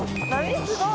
すごい。